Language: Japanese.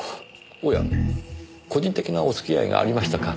おや個人的なお付き合いがありましたか。